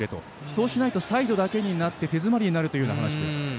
そうしないとサイドだけになって手詰まりになるという話です。